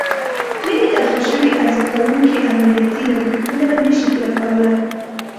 نوي داخل شوي عرضه کوونکې عملیاتي لګښتونه نه شي پوره کولای.